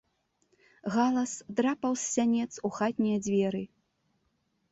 Галас драпаў з сянец у хатнія дзверы.